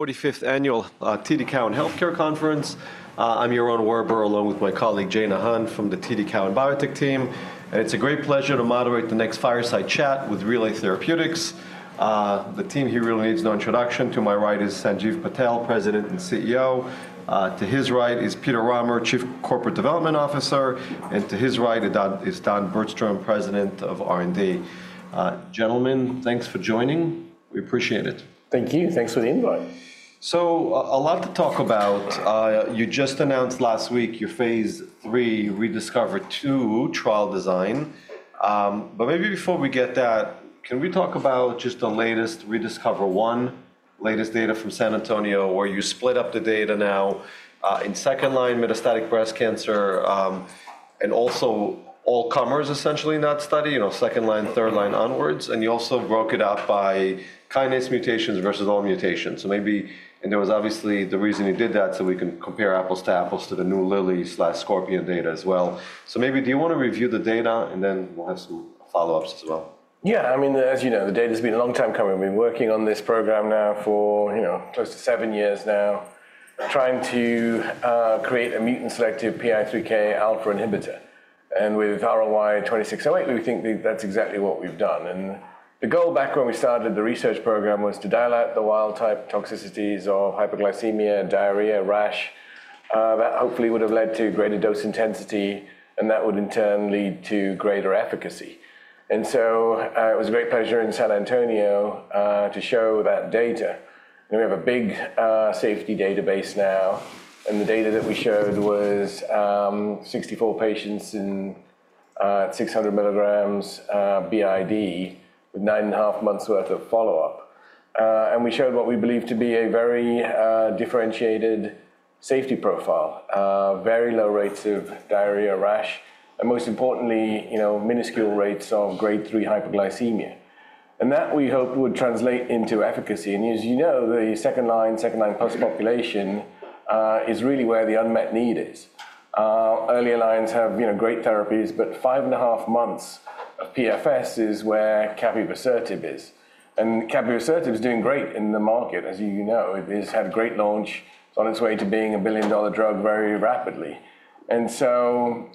45th Annual TD Cowen Healthcare Conference. I'm your Yaron Werber, along with my colleague Jane Hun from the TD Cowen Biotech team. It's a great pleasure to moderate the next fireside chat with Relay Therapeutics. The team here really needs no introduction. To my right is Sanjiv Patel, President and CEO. To his right is Peter Rahmer, Chief Corporate Development Officer. To his right is Don Bergstrom, President of R&D. Gentlemen, thanks for joining. We appreciate it. Thank you. Thanks for the invite. A lot to talk about. You just announced last week your phase 3 ReDiscover-2 trial design. Maybe before we get to that, can we talk about just the latest ReDiscover one, latest data from San Antonio, where you split up the data now in second-line metastatic breast cancer and also all comers, essentially, in that study, second-line, third-line onwards. You also broke it up by kinase mutations versus all mutations. There was obviously the reason you did that so we can compare apples to apples to the new Lilly/Scorpion data as well. Do you want to review the data, and then we'll have some follow-ups as well? Yeah. I mean, as you know, the data has been a long time coming. We've been working on this program now for close to seven years now, trying to create a mutant-selective PI3Kα inhibitor. And with RLY-2608, we think that's exactly what we've done. The goal back when we started the research program was to dial out the wild-type toxicities of hyperglycemia, diarrhea, rash that hopefully would have led to greater dose intensity, and that would in turn lead to greater efficacy. It was a great pleasure in San Antonio to show that data. We have a big safety database now. The data that we showed was 64 patients in 600 mg b.i.d. with nine and a half months' worth of follow-up. We showed what we believe to be a very differentiated safety profile, very low rates of diarrhea, rash, and most importantly, minuscule rates of grade 3 hyperglycemia. We hope that would translate into efficacy. As you know, the second-line, second-line plus population is really where the unmet need is. Early lines have great therapies, but five and a half months of PFS is where capivasertib is. Capivasertib is doing great in the market, as you know. It has had a great launch. It is on its way to being a billion-dollar drug very rapidly. Showing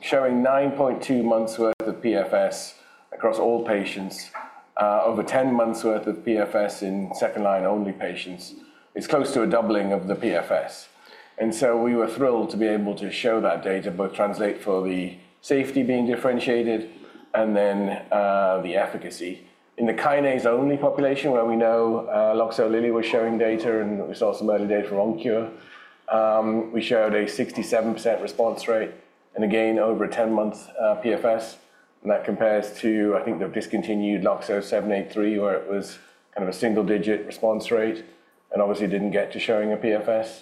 9.2 months' worth of PFS across all patients, over 10 months' worth of PFS in second-line-only patients, is close to a doubling of the PFS. We were thrilled to be able to show that data, both translate for the safety being differentiated and then the efficacy. In the kinase-only population, where we know Loxo, Lilly was showing data, and we saw some early data from Oncure, we showed a 67% response rate and again, over a 10-month PFS. That compares to, I think, the discontinued LOXO-783, where it was kind of a single-digit response rate and obviously did not get to showing a PFS.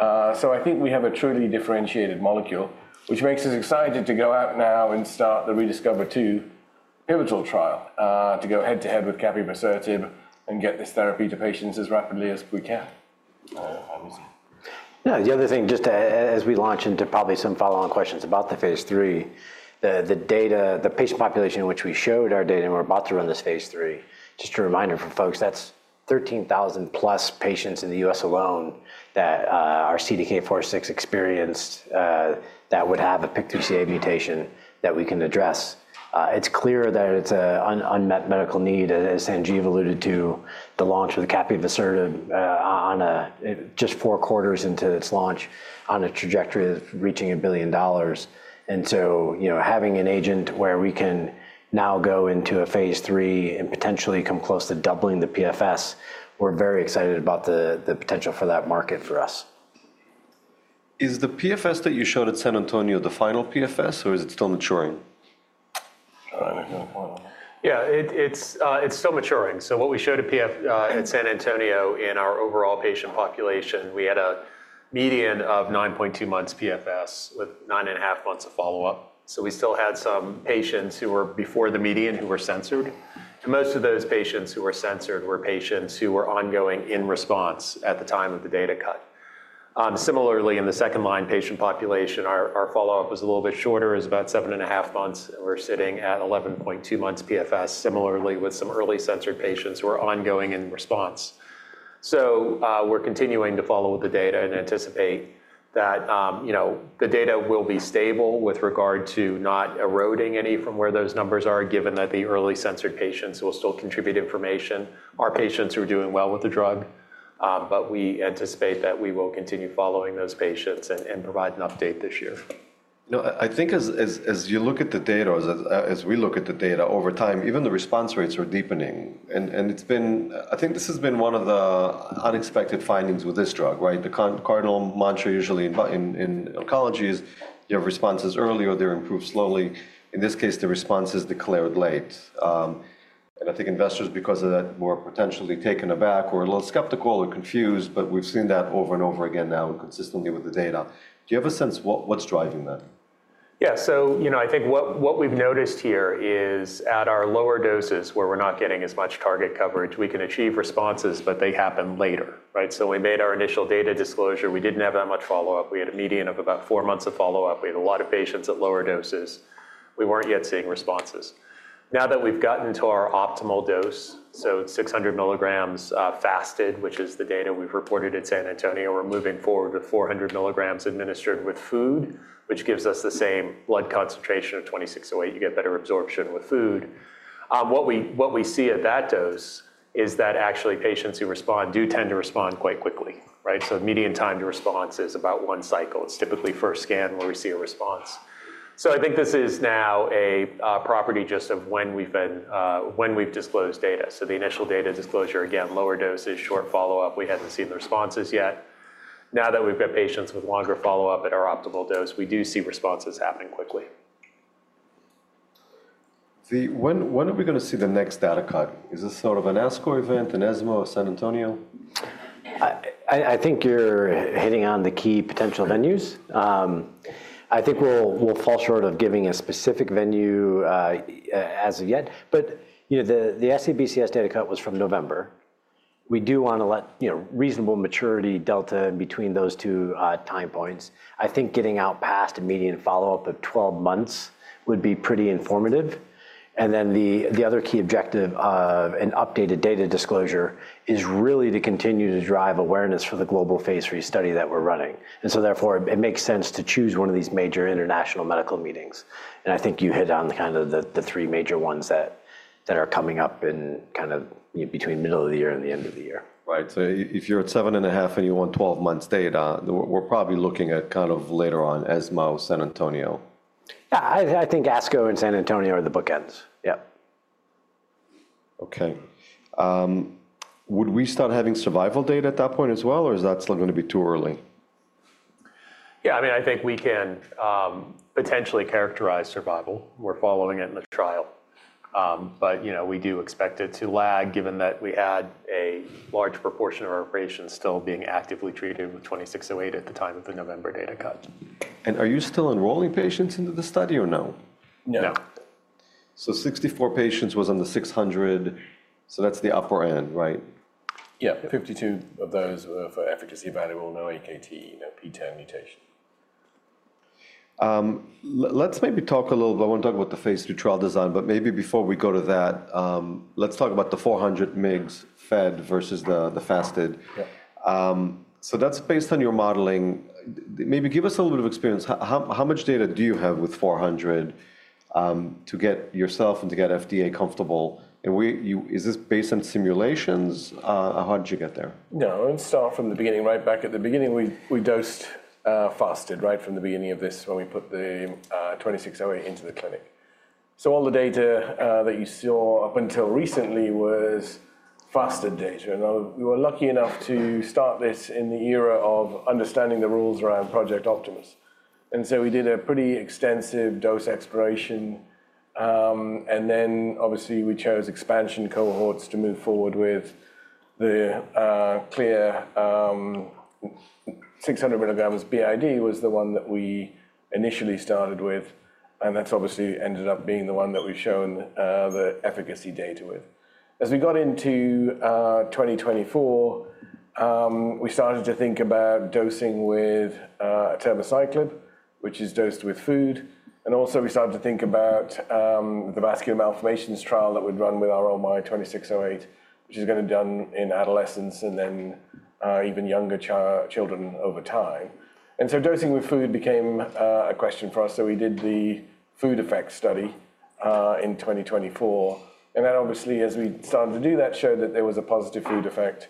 I think we have a truly differentiated molecule, which makes us excited to go out now and start the ReDiscover-2 pivotal trial to go head-to-head with capivasertib and get this therapy to patients as rapidly as we can. Yeah. The other thing, just as we launch into probably some follow-on questions about the phase III, the data, the patient population in which we showed our data, and we're about to run this phase III, just a reminder for folks, that's 13,000-plus patients in the U.S. alone that are CDK4/6 experienced that would have a PIK3CA mutation that we can address. It's clear that it's an unmet medical need, as Sanjiv alluded to, the launch of the capivasertib just four quarters into its launch on a trajectory of reaching $1 billion. Having an agent where we can now go into a phase III and potentially come close to doubling the PFS, we're very excited about the potential for that market for us. Is the PFS that you showed at San Antonio the final PFS, or is it still maturing? Yeah. It's still maturing. What we showed at San Antonio in our overall patient population, we had a median of 9.2 months PFS with nine and a half months of follow-up. We still had some patients who were before the median who were censored. Most of those patients who were censored were patients who were ongoing in response at the time of the data cut. Similarly, in the second-line patient population, our follow-up was a little bit shorter, is about seven and a half months. We're sitting at 11.2 months PFS, similarly with some early censored patients who are ongoing in response. We're continuing to follow with the data and anticipate that the data will be stable with regard to not eroding any from where those numbers are, given that the early censored patients will still contribute information. Our patients are doing well with the drug, but we anticipate that we will continue following those patients and provide an update this year. I think as you look at the data, as we look at the data over time, even the response rates are deepening. I think this has been one of the unexpected findings with this drug, right? The cardinal mantra usually in oncology is your response is early or they're improved slowly. In this case, the response is declared late. I think investors, because of that, were potentially taken aback or a little skeptical or confused, but we've seen that over and over again now and consistently with the data. Do you have a sense what's driving that? Yeah. I think what we've noticed here is at our lower doses, where we're not getting as much target coverage, we can achieve responses, but they happen later, right? We made our initial data disclosure. We didn't have that much follow-up. We had a median of about four months of follow-up. We had a lot of patients at lower doses. We weren't yet seeing responses. Now that we've gotten to our optimal dose, so 600 mg fasted, which is the data we've reported at San Antonio, we're moving forward with 400 mg administered with food, which gives us the same blood concentration of 2608. You get better absorption with food. What we see at that dose is that actually patients who respond do tend to respond quite quickly, right? Median time to response is about one cycle. It's typically first scan where we see a response. I think this is now a property just of when we've disclosed data. The initial data disclosure, again, lower doses, short follow-up. We hadn't seen the responses yet. Now that we've got patients with longer follow-up at our optimal dose, we do see responses happen quickly. When are we going to see the next data cut? Is this sort of an ASCO event, an ESMO, San Antonio? I think you're hitting on the key potential venues. I think we'll fall short of giving a specific venue as of yet. The SCBCS data cut was from November. We do want to let reasonable maturity delta in between those two time points. I think getting out past a median follow-up of 12 months would be pretty informative. The other key objective of an updated data disclosure is really to continue to drive awareness for the global phase III study that we're running. Therefore, it makes sense to choose one of these major international medical meetings. I think you hit on kind of the three major ones that are coming up in kind of between the middle of the year and the end of the year. Right. If you're at seven and a half and you want 12 months data, we're probably looking at kind of later on ESMO, San Antonio. Yeah. I think ASCO and San Antonio are the bookends. Yeah. OK. Would we start having survival data at that point as well, or is that still going to be too early? Yeah. I mean, I think we can potentially characterize survival. We're following it in the trial. We do expect it to lag, given that we had a large proportion of our patients still being actively treated with 2608 at the time of the November data cut. Are you still enrolling patients into the study or no? No. Sixty-four patients was on the 600, so that's the upper end, right? Yeah. Fifty-two of those were for efficacy variable, no AKT, no PTEN mutation. Let's maybe talk a little bit. I want to talk about the phase two trial design. Maybe before we go to that, let's talk about the 400 milligrams fed versus the fasted. That's based on your modeling. Maybe give us a little bit of experience. How much data do you have with 400 to get yourself and to get FDA comfortable? Is this based on simulations? How did you get there? No. Let's start from the beginning. Right back at the beginning, we dosed fasted right from the beginning of this when we put the 2608 into the clinic. All the data that you saw up until recently was fasted data. We were lucky enough to start this in the era of understanding the rules around Project Optimus. We did a pretty extensive dose exploration. Obviously, we chose expansion cohorts to move forward with. The clear 600 mg b.i.d. was the one that we initially started with. That has ended up being the one that we've shown the efficacy data with. As we got into 2024, we started to think about dosing with terbicyclib, which is dosed with food. We started to think about the vascular malformations trial that we'd run with our RLY-2608, which is going to be done in adolescents and then even younger children over time. Dosing with food became a question for us. We did the food effect study in 2024. That, obviously, as we started to do that, showed that there was a positive food effect.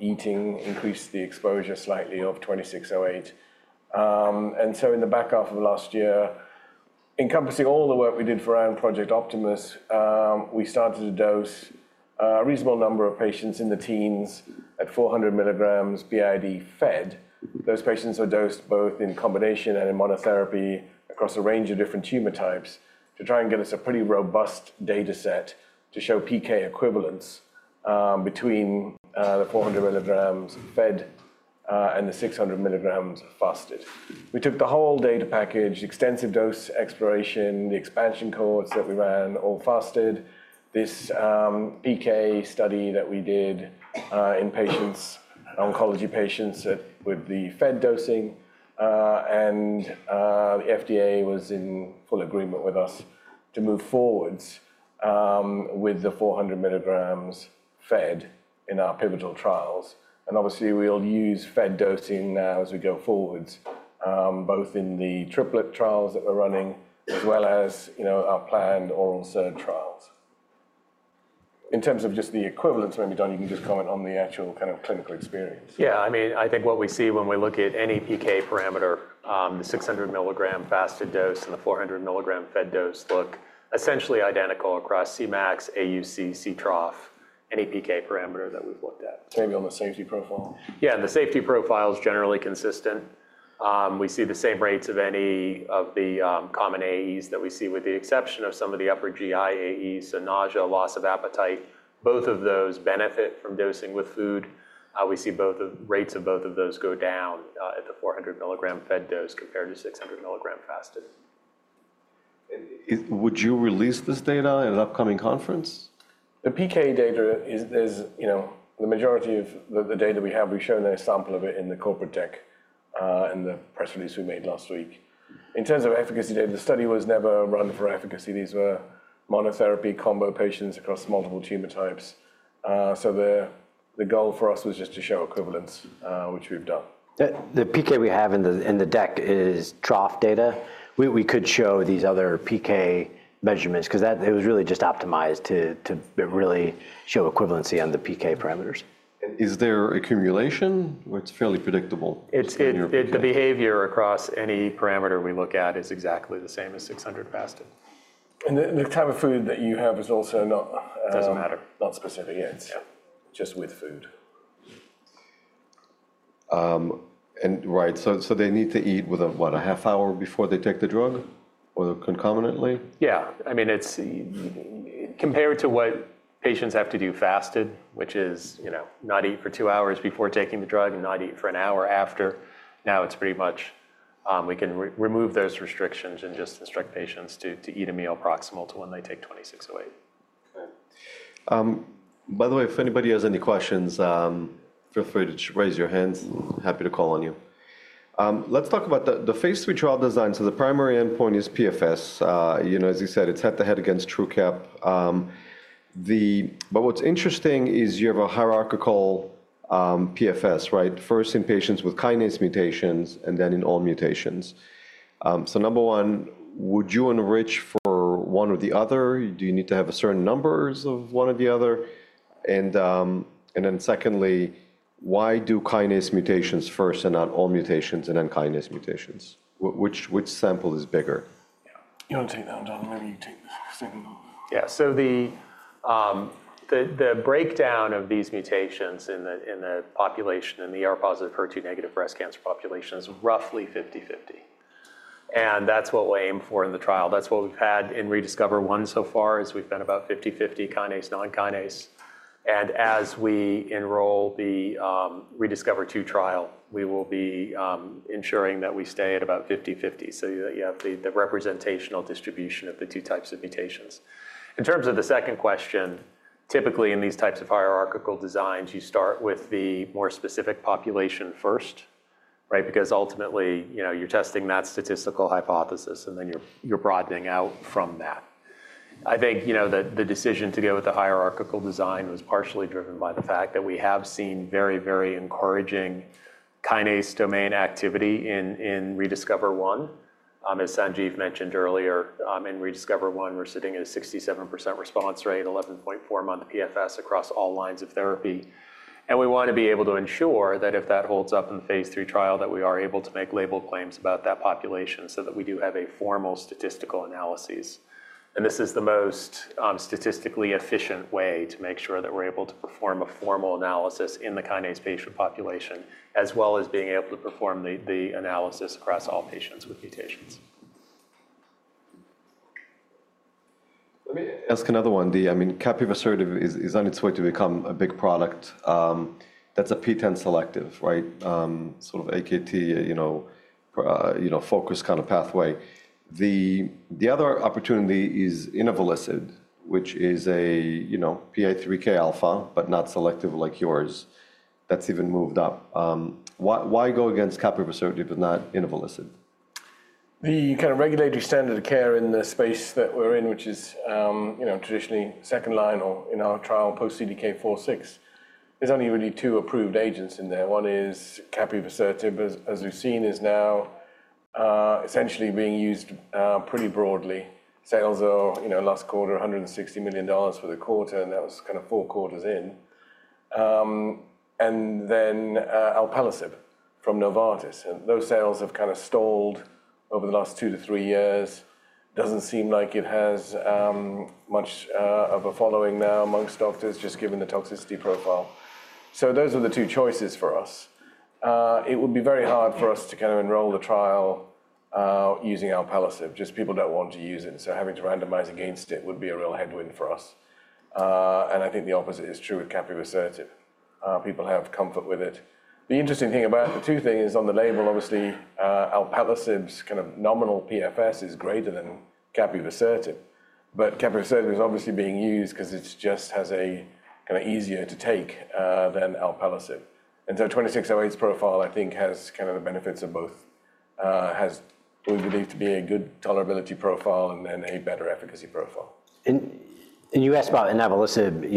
Eating increased the exposure slightly of 2608. In the back half of last year, encompassing all the work we did for our own Project Optimus, we started to dose a reasonable number of patients in the teens at 400 milligrams b.i.d. fed. Those patients are dosed both in combination and in monotherapy across a range of different tumor types to try and get us a pretty robust data set to show PK equivalence between the 400 milligrams fed and the 600 milligrams fasted. We took the whole data package, extensive dose exploration, the expansion cohorts that we ran all fasted, this PK study that we did in patients, oncology patients with the fed dosing. The FDA was in full agreement with us to move forwards with the 400 milligrams fed in our pivotal trials. Obviously, we'll use fed dosing now as we go forwards, both in the triplet trials that we're running as well as our planned oral SERT trials. In terms of just the equivalence, maybe Don, you can just comment on the actual kind of clinical experience. Yeah. I mean, I think what we see when we look at any PK parameter, the 600 milligram fasted dose and the 400 milligram fed dose look essentially identical across CMAX, AUC, CTROF, any PK parameter that we've looked at. Maybe on the safety profile? Yeah. The safety profile is generally consistent. We see the same rates of any of the common AEs that we see, with the exception of some of the upper GI AEs, so nausea, loss of appetite. Both of those benefit from dosing with food. We see both rates of both of those go down at the 400 milligram fed dose compared to 600 milligram fasted. Would you release this data at an upcoming conference? The PK data, the majority of the data we have, we've shown a sample of it in the corporate deck and the press release we made last week. In terms of efficacy data, the study was never run for efficacy. These were monotherapy combo patients across multiple tumor types. The goal for us was just to show equivalence, which we've done. The PK we have in the deck is trough data. We could show these other PK measurements because it was really just optimized to really show equivalency on the PK parameters. Is there accumulation? It's fairly predictable. The behavior across any parameter we look at is exactly the same as 600 fasted. The type of food that you have is also not. Doesn't matter. Not specific. Yeah. It's just with food. Right. So they need to eat with a, what, a half hour before they take the drug or concomitantly? Yeah. I mean, compared to what patients have to do fasted, which is not eat for two hours before taking the drug and not eat for an hour after, now it's pretty much we can remove those restrictions and just instruct patients to eat a meal proximal to when they take 2608. OK. By the way, if anybody has any questions, feel free to raise your hands. Happy to call on you. Let's talk about the phase III trial design. The primary endpoint is PFS. As you said, it's head-to-head against TrueCap. What's interesting is you have a hierarchical PFS, right? First in patients with kinase mutations and then in all mutations. Number one, would you enrich for one or the other? Do you need to have certain numbers of one or the other? Secondly, why do kinase mutations first and not all mutations and then kinase mutations? Which sample is bigger? You want to take that one, Don? Maybe you take the second one. Yeah. The breakdown of these mutations in the population in the positive HER2 negative breast cancer population is roughly 50/50. That is what we aim for in the trial. That is what we have had in ReDiscover 1 so far, is we have been about 50/50 kinase, non-kinase. As we enroll the ReDiscover-2 trial, we will be ensuring that we stay at about 50/50 so that you have the representational distribution of the two types of mutations. In terms of the second question, typically in these types of hierarchical designs, you start with the more specific population first, right? Because ultimately, you are testing that statistical hypothesis, and then you are broadening out from that. I think the decision to go with the hierarchical design was partially driven by the fact that we have seen very, very encouraging kinase domain activity in ReDiscover 1. As Sanjiv mentioned earlier, in ReDiscover 1, we're sitting at a 67% response rate, 11.4 month PFS across all lines of therapy. We want to be able to ensure that if that holds up in the phase III trial, that we are able to make label claims about that population so that we do have a formal statistical analysis. This is the most statistically efficient way to make sure that we're able to perform a formal analysis in the kinase patient population, as well as being able to perform the analysis across all patients with mutations. Let me ask another one. I mean, capivasertib is on its way to become a big product. That's a PI3K selective, right? Sort of AKT focus kind of pathway. The other opportunity is inavolisib, which is a PI3K alpha, but not selective like yours. That's even moved up. Why go against capivasertib if not inavolisib? You kind of regulate your standard of care in the space that we're in, which is traditionally second line or in our trial post-CDK4/6. There's only really two approved agents in there. One is capivasertib, as we've seen, is now essentially being used pretty broadly. Sales last quarter, $160 million for the quarter, and that was kind of four quarters in. And then alpelisib from Novartis. Those sales have kind of stalled over the last two to three years. Doesn't seem like it has much of a following now amongst doctors, just given the toxicity profile. So those are the two choices for us. It would be very hard for us to kind of enroll the trial using alpelisib. Just people don't want to use it. So having to randomize against it would be a real headwind for us. I think the opposite is true with capivasertib. People have comfort with it. The interesting thing about the two things is on the label, obviously, alpelisib's kind of nominal PFS is greater than capivasertib. Capivasertib is obviously being used because it just has a kind of easier to take than alpelisib. 2608's profile, I think, has kind of the benefits of both, has what we believe to be a good tolerability profile and then a better efficacy profile. You asked about inavolisib.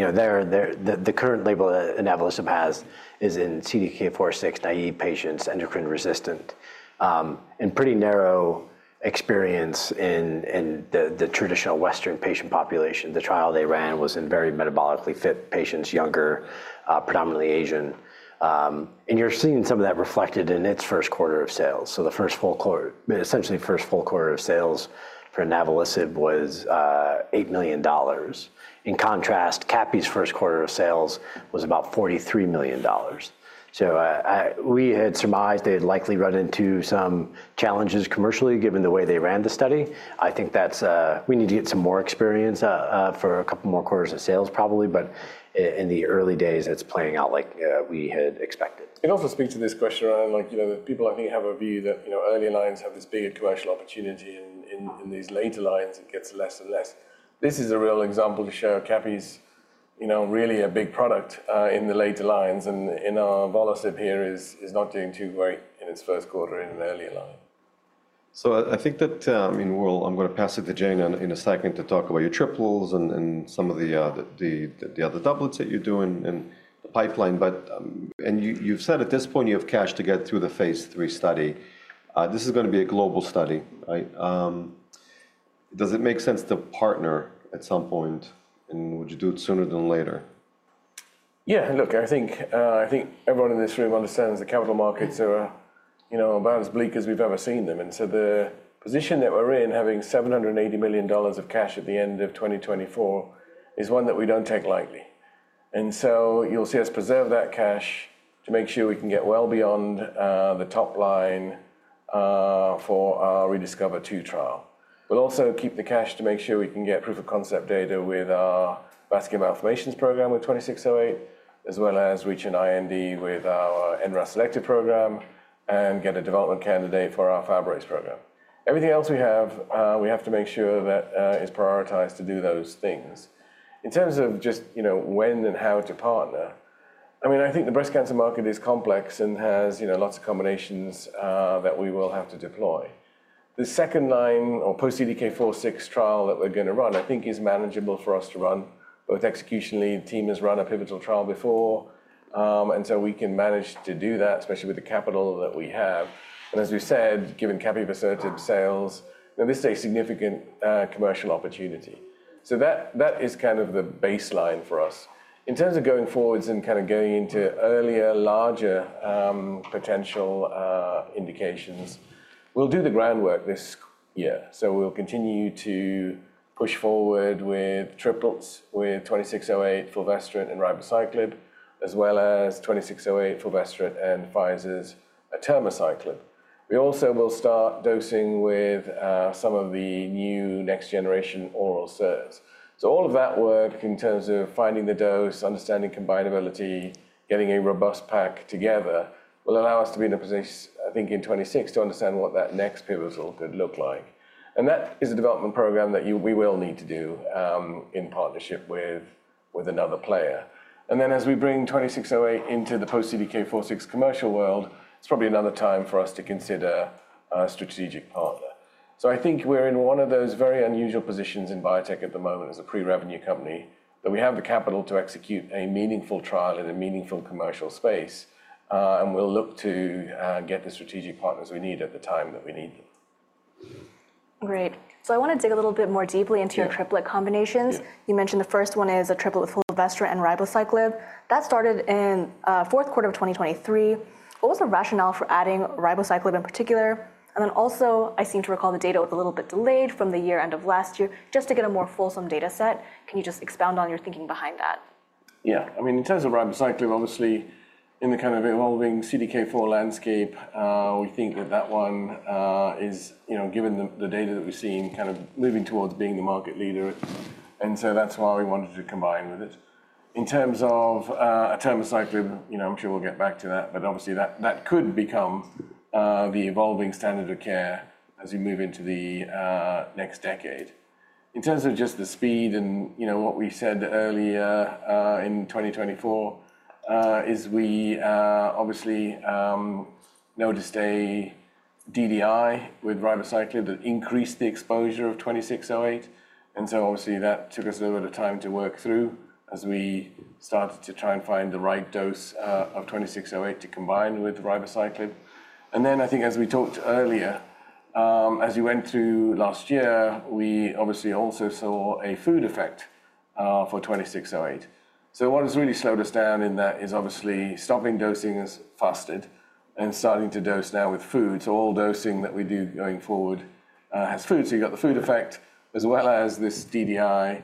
The current label inavolisib has is in CDK4/6 naive patients, endocrine resistant, and pretty narrow experience in the traditional Western patient population. The trial they ran was in very metabolically fit patients, younger, predominantly Asian. You are seeing some of that reflected in its first quarter of sales. The first full quarter, essentially first full quarter of sales for inavolisib was $8 million. In contrast, CAPI's first quarter of sales was about $43 million. We had surmised they would likely run into some challenges commercially, given the way they ran the study. I think we need to get some more experience for a couple more quarters of sales, probably. In the early days, it is playing out like we had expected. It also speaks to this question around people, I think, have a view that early lines have this bigger commercial opportunity. In these later lines, it gets less and less. This is a real example to show CAPI is really a big product in the later lines. And inavolisib here is not doing too great in its first quarter in an earlier line. I think that I'm going to pass it to Jane in a second to talk about your triples and some of the other doublets that you're doing and the pipeline. You've said at this point you have cash to get through the phase III study. This is going to be a global study. Does it make sense to partner at some point? Would you do it sooner than later? Yeah. Look, I think everyone in this room understands the capital markets are about as bleak as we've ever seen them. The position that we're in, having $780 million of cash at the end of 2024, is one that we don't take lightly. You'll see us preserve that cash to make sure we can get well beyond the top line for our ReDiscover-2 trial. We'll also keep the cash to make sure we can get proof of concept data with our vascular malformations program with 2608, as well as reach an IND with our NRAS selected program and get a development candidate for our Fabrics program. Everything else we have, we have to make sure that is prioritized to do those things. In terms of just when and how to partner, I mean, I think the breast cancer market is complex and has lots of combinations that we will have to deploy. The second line or post-CDK4/6 trial that we're going to run, I think, is manageable for us to run. Both execution lead team has run a pivotal trial before. We can manage to do that, especially with the capital that we have. As we said, given capivasertib sales, this is a significant commercial opportunity. That is kind of the baseline for us. In terms of going forwards and kind of going into earlier, larger potential indications, we'll do the groundwork this year. We'll continue to push forward with triplets with 2608, fulvestrant, and ribociclib, as well as 2608, fulvestrant, and Pfizer's abemaciclib. We also will start dosing with some of the new next generation oral SERDs. All of that work in terms of finding the dose, understanding combinability, getting a robust pack together will allow us to be in a position, I think, in 2026 to understand what that next pivotal could look like. That is a development program that we will need to do in partnership with another player. As we bring 2608 into the post-CDK4/6 commercial world, it is probably another time for us to consider a strategic partner. I think we are in one of those very unusual positions in biotech at the moment as a pre-revenue company that we have the capital to execute a meaningful trial in a meaningful commercial space. We will look to get the strategic partners we need at the time that we need them. Great. I want to dig a little bit more deeply into your triplet combinations. You mentioned the first one is a triplet with fulvestrant and ribociclib. That started in fourth quarter of 2023. What was the rationale for adding ribociclib in particular? I seem to recall the data was a little bit delayed from the year end of last year, just to get a more fulsome data set. Can you just expound on your thinking behind that? Yeah. I mean, in terms of ribociclib, obviously, in the kind of evolving CDK4/6 landscape, we think that that one, given the data that we've seen, kind of moving towards being the market leader. That is why we wanted to combine with it. In terms of atermociclib, I'm sure we'll get back to that. Obviously, that could become the evolving standard of care as we move into the next decade. In terms of just the speed and what we said earlier in 2024, we obviously noticed a DDI with ribociclib that increased the exposure of 2608. Obviously, that took us a little bit of time to work through as we started to try and find the right dose of 2608 to combine with ribociclib. I think as we talked earlier, as we went through last year, we obviously also saw a food effect for 2608. What has really slowed us down in that is obviously stopping dosing as fasted and starting to dose now with food. All dosing that we do going forward has food. You have the food effect, as well as this DDI,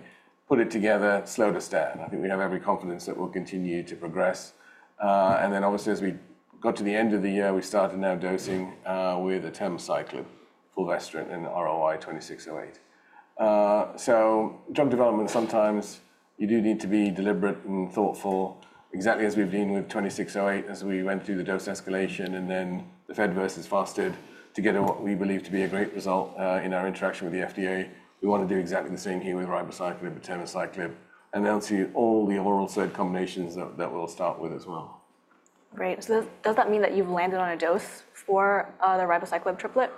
put it together, slowed us down. I think we have every confidence that we'll continue to progress. Obviously, as we got to the end of the year, we started now dosing with atermociclib, fulvestrant, and RLY-2608. Drug development, sometimes you do need to be deliberate and thoughtful, exactly as we've dealt with 2608 as we went through the dose escalation and then the fed versus fasted to get what we believe to be a great result in our interaction with the FDA. We want to do exactly the same here with ribociclib, atermociclib, and then see all the oral SERT combinations that we'll start with as well. Great. Does that mean that you've landed on a dose for the ribociclib triplet?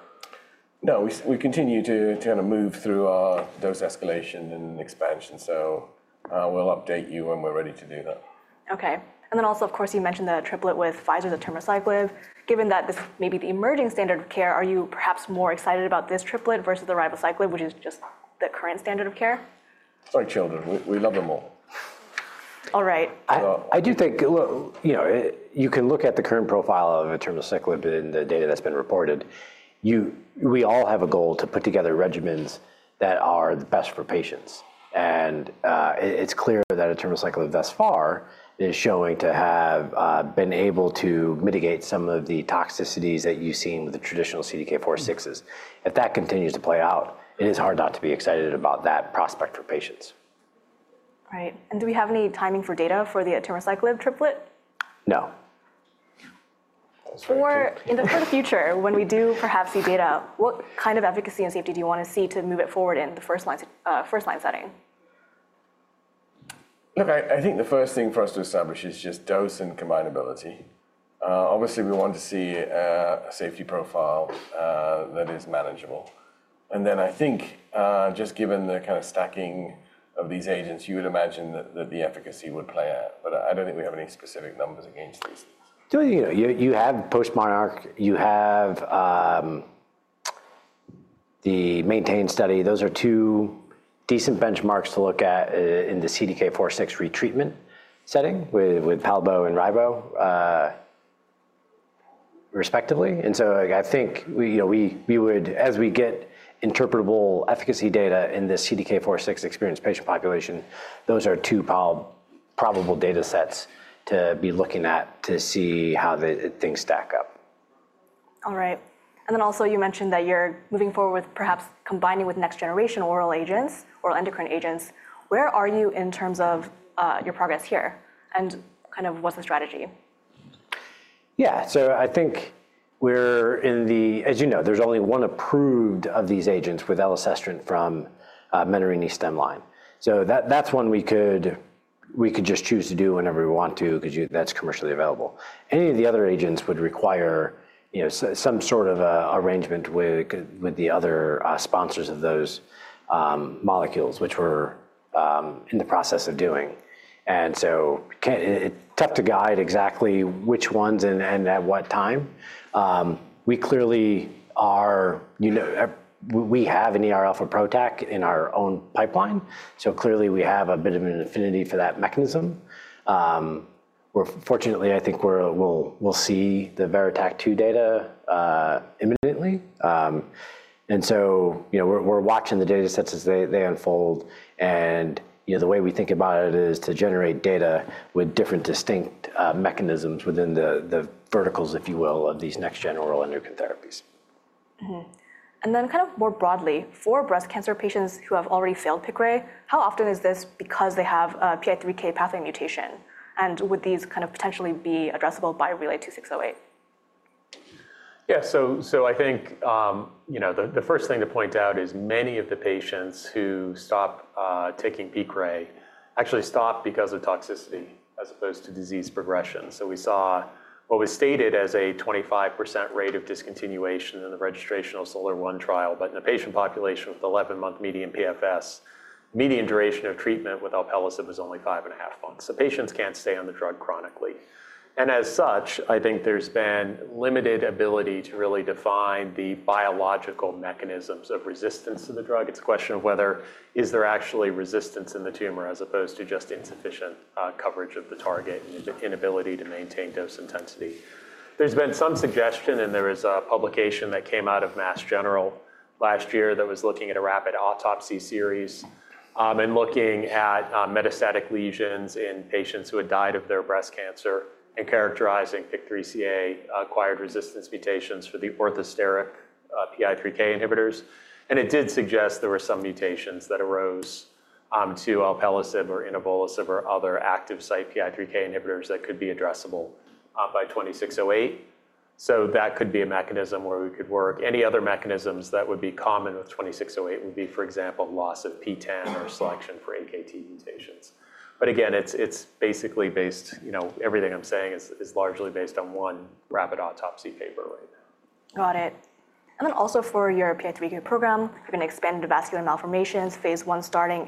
No. We continue to kind of move through our dose escalation and expansion. We will update you when we are ready to do that. OK. Also, of course, you mentioned the triplet with Pfizer's abemaciclib. Given that this may be the emerging standard of care, are you perhaps more excited about this triplet versus the ribociclib, which is just the current standard of care? Sorry, children. We love them all. All right. I do think you can look at the current profile of atermociclib in the data that's been reported. We all have a goal to put together regimens that are the best for patients. It is clear that atermociclib thus far is showing to have been able to mitigate some of the toxicities that you've seen with the traditional CDK4/6s. If that continues to play out, it is hard not to be excited about that prospect for patients. Right. Do we have any timing for data for the atermociclib triplet? No. In the future, when we do perhaps see data, what kind of efficacy and safety do you want to see to move it forward in the first line setting? Look, I think the first thing for us to establish is just dose and combinability. Obviously, we want to see a safety profile that is manageable. I think just given the kind of stacking of these agents, you would imagine that the efficacy would play out. I don't think we have any specific numbers against these. You have post-Monarch, you have the MAINTAIN study. Those are two decent benchmarks to look at in the CDK4/6 retreatment setting with Palbo and Ribo respectively. I think we would, as we get interpretable efficacy data in the CDK4/6 experienced patient population, those are two probable data sets to be looking at to see how things stack up. All right. You mentioned that you're moving forward with perhaps combining with next generation oral agents, oral endocrine agents. Where are you in terms of your progress here? And kind of what's the strategy? Yeah. I think we're in the, as you know, there's only one approved of these agents with elacestrant from Menarini Stemline. That's one we could just choose to do whenever we want to because that's commercially available. Any of the other agents would require some sort of arrangement with the other sponsors of those molecules, which we're in the process of doing. It's tough to guide exactly which ones and at what time. We clearly have an alpha protect in our own pipeline. We have a bit of an affinity for that mechanism. Fortunately, I think we'll see the VeroTac 2 data imminently. We're watching the data sets as they unfold. The way we think about it is to generate data with different distinct mechanisms within the verticals, if you will, of these next gen oral endocrine therapies. Kind of more broadly, for breast cancer patients who have already failed Piqray, how often is this because they have a PI3K pathway mutation? Would these kind of potentially be addressable by RLY-2608? Yeah. I think the first thing to point out is many of the patients who stop taking Piqray actually stop because of toxicity as opposed to disease progression. We saw what was stated as a 25% rate of discontinuation in the registrational SOLAR-1 trial. In a patient population with 11-month median PFS, median duration of treatment with alpelisib was only 5 and 1/2 months. Patients cannot stay on the drug chronically. As such, I think there has been limited ability to really define the biological mechanisms of resistance to the drug. It is a question of whether there is actually resistance in the tumor as opposed to just insufficient coverage of the target and the inability to maintain dose intensity. There's been some suggestion, and there is a publication that came out of Mass General last year that was looking at a rapid autopsy series and looking at metastatic lesions in patients who had died of their breast cancer and characterizing PIK3CA acquired resistance mutations for the orthosteric PI3K inhibitors. It did suggest there were some mutations that arose to alpelisib or inavolisib or other active site PI3K inhibitors that could be addressable by 2608. That could be a mechanism where we could work. Any other mechanisms that would be common with 2608 would be, for example, loss of PTEN or selection for AKT mutations. Again, it's basically based, everything I'm saying is largely based on one rapid autopsy paper right now. Got it. Also for your PI3K program, you're going to expand into vascular malformations, phase one starting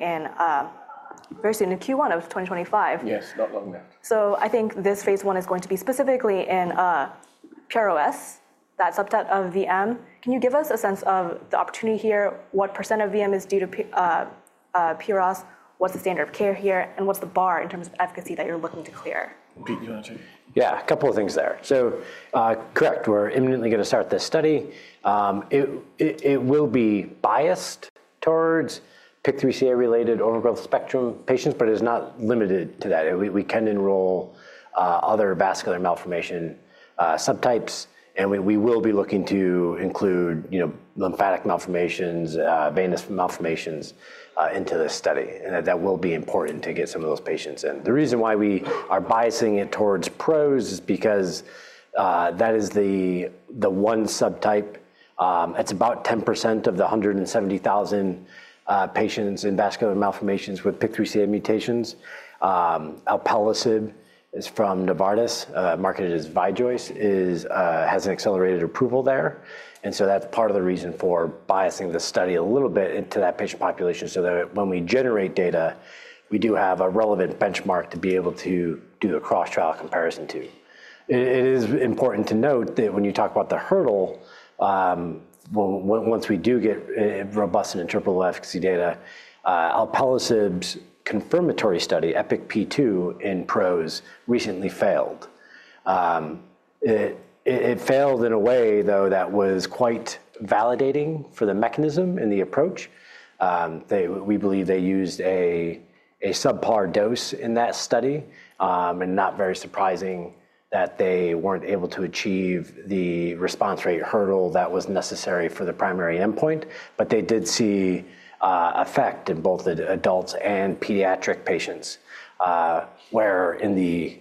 very soon, in Q1 of 2025. Yes, not long now. I think this phase one is going to be specifically in PROS, that subset of VM. Can you give us a sense of the opportunity here? What % of VM is due to PROS? What's the standard of care here? What's the bar in terms of efficacy that you're looking to clear? Yeah, a couple of things there. Correct, we're imminently going to start this study. It will be biased towards PIK3CA-related overgrowth spectrum patients, but it is not limited to that. We can enroll other vascular malformation subtypes. We will be looking to include lymphatic malformations, venous malformations into this study. That will be important to get some of those patients in. The reason why we are biasing it towards PROS is because that is the one subtype. It's about 10% of the 170,000 patients in vascular malformations with PIK3CA mutations. Alpelisib is from Novartis, marketed as VIJOICE, has an accelerated approval there. That's part of the reason for biasing the study a little bit into that patient population so that when we generate data, we do have a relevant benchmark to be able to do the cross-trial comparison to. It is important to note that when you talk about the hurdle, once we do get robust and interpretable efficacy data, alpelisib's confirmatory study, EPIC-P2 in PROS, recently failed. It failed in a way, though, that was quite validating for the mechanism and the approach. We believe they used a subpar dose in that study. Not very surprising that they were not able to achieve the response rate hurdle that was necessary for the primary endpoint. They did see effect in both adults and pediatric patients. Where in the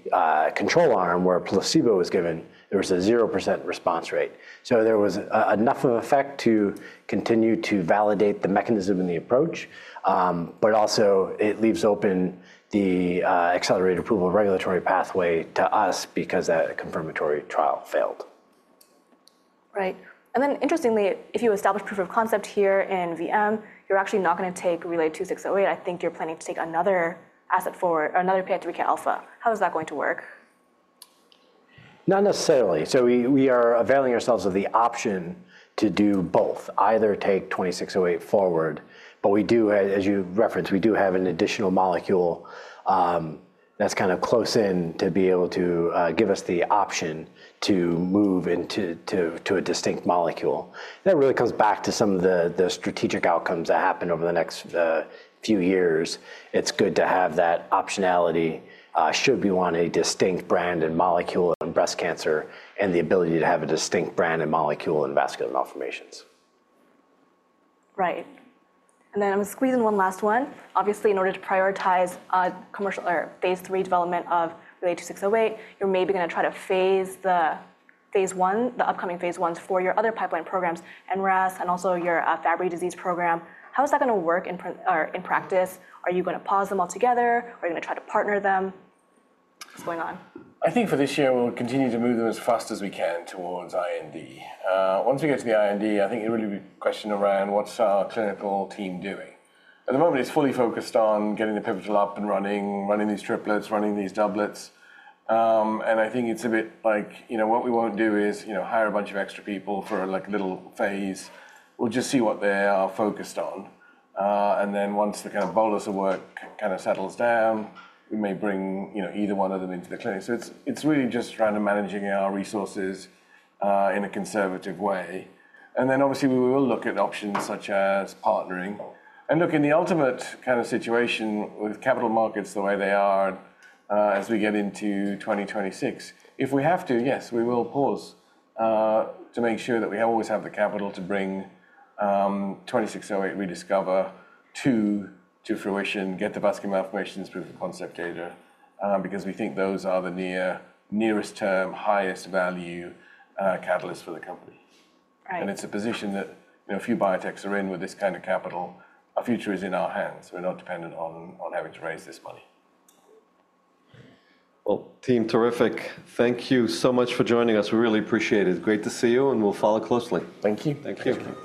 control arm where placebo was given, there was a 0% response rate. There was enough of an effect to continue to validate the mechanism and the approach. It leaves open the accelerated approval regulatory pathway to us because that confirmatory trial failed. Right. Interestingly, if you establish proof of concept here in VM, you're actually not going to take RLY-2608. I think you're planning to take another asset forward, another PI3Kα. How is that going to work? Not necessarily. We are availing ourselves of the option to do both, either take 2608 forward. As you referenced, we do have an additional molecule that's kind of close in to be able to give us the option to move into a distinct molecule. That really comes back to some of the strategic outcomes that happen over the next few years. It's good to have that optionality should we want a distinct brand and molecule in breast cancer and the ability to have a distinct brand and molecule in vascular malformations. Right. I am going to squeeze in one last one. Obviously, in order to prioritize phase three development of RLY-2608, you're maybe going to try to phase the phase one, the upcoming phase ones for your other pipeline programs, NRAS, and also your Fabry disease program. How is that going to work in practice? Are you going to pause them altogether? Are you going to try to partner them? What's going on? I think for this year, we'll continue to move them as fast as we can towards IND. Once we get to the IND, I think it will be a question around what's our clinical team doing. At the moment, it's fully focused on getting the pivotal up and running, running these triplets, running these doublets. I think it's a bit like what we won't do is hire a bunch of extra people for a little phase. We'll just see what they are focused on. Once the kind of bolus of work kind of settles down, we may bring either one of them into the clinic. It is really just around managing our resources in a conservative way. Obviously, we will look at options such as partnering. Look, in the ultimate kind of situation with capital markets the way they are as we get into 2026, if we have to, yes, we will pause to make sure that we always have the capital to bring 2608 Rediscover to fruition, get the vascular malformations proof of concept data because we think those are the nearest term, highest value catalyst for the company. It's a position that if you biotechs are in with this kind of capital, our future is in our hands. We're not dependent on having to raise this money. Team, terrific. Thank you so much for joining us. We really appreciate it. It's great to see you. We will follow closely. Thank you. Thank you.